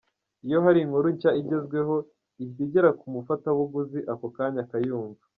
Iyo hari inkuru nshya igezweho, ihita igera ku mufatabuguzi ako kanya akayumva .